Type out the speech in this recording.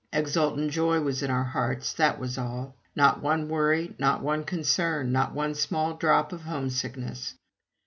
Exultant joy was in our hearts, that was all. Not one worry, not one concern, not one small drop of homesickness.